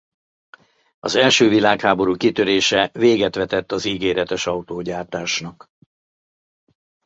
Az első világháború kitörése véget vetett az ígéretes autógyártásnak.